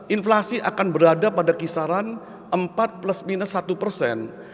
inflasi akan berada pada kisaran empat plus minus satu persen